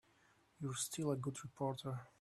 You're still a good reporter.